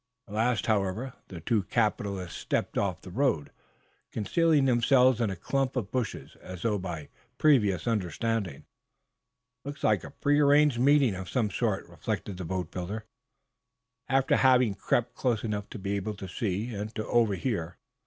At last, however, the two capitalists stepped off the road, concealing themselves in a clump of bushes as though by previous understanding. "It looks like a prearranged meeting of some sort," reflected the boatbuilder, after having crept close enough to be able to see and to overhear.